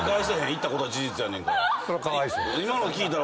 行ったことは事実やねんから。